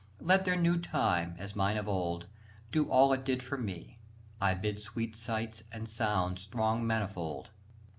Let their new time, as mine of old, Do all it did for me: I bid Sweet sights and sounds throng manifold.